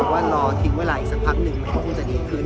ว่ารอทิ้งเวลาอีกสักพักหนึ่งมันก็คงจะดีขึ้น